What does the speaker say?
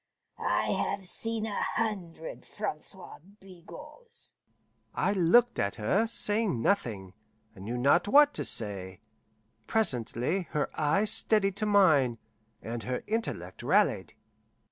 I have seen a hundred Francois Bigots." I looked at her, saying nothing I knew not what to say. Presently her eye steadied to mine, and her intellect rallied.